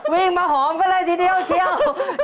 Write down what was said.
วิ่งมาหอมกันเลยทีเดียวเชียว